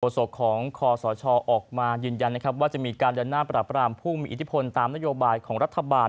โศกของคอสชออกมายืนยันนะครับว่าจะมีการเดินหน้าปรับรามผู้มีอิทธิพลตามนโยบายของรัฐบาล